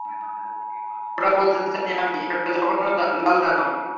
ওটা বলতে চাইনি, আমি একটা জঘন্য লাল দানব।